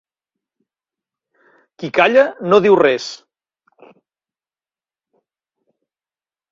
Qui calla no diu res.